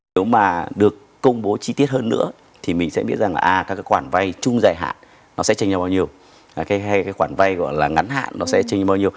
nếu mà được công bố chi tiết hơn nữa thì mình sẽ biết rằng các quản vay chung dài hạn sẽ trình như bao nhiêu hay quản vay ngắn hạn sẽ trình như bao nhiêu